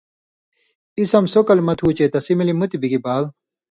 اسم سو کلمہ تُھو چے تسی ملیۡ مُتیۡ بِگی بال